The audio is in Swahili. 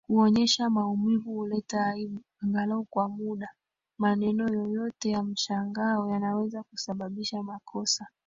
Kuonyesha maumivu huleta aibu angalau kwa muda Maneno yoyote ya mshangao yanaweza kusababisha makosa